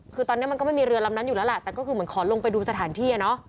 คือตอนนี้มันก็ไม่มีเรือลำนั้นอยู่แล้วแหละแต่ก็คือเหมือนขอลงไปดูสถานที่อ่ะเนอะ